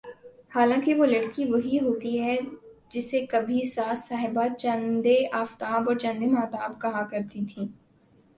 حالانکہ وہ لڑکی وہی ہوتی ہے جسے کبھی ساس صاحبہ چندے آفتاب اور چندے ماہتاب کہا کرتی تھیں